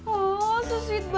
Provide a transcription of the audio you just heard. oh sesuai banget